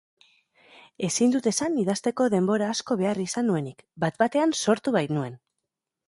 Ezin dut esan idazteko denbora asko behar izan nuenik, bat-batean sortu bainuen.